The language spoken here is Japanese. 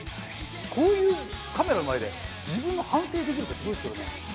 こういうカメラの前で自分の反省できるってすごいですけどね。